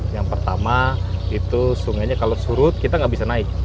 yang pertama itu sungainya kalau surut kita nggak bisa naik